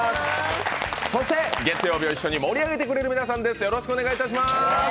そして月曜日を一緒に盛り上げてくださる皆さんです。